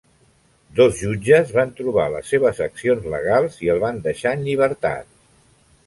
Dos jutges van trobar les seves accions legals i el van deixar en llibertat.